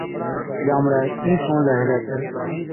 ڄامڙَي اِين سُڻلَي هِلَي تہ،